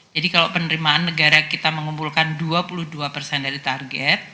jadi kalau penerimaan negara kita mengumpulkan dua puluh dua persen dari target